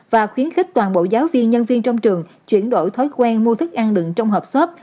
và khuyến khích toàn bộ giáo viên nhân viên trong trường chuyển đổi thói quen mua thức ăn đựng trong hợp sấp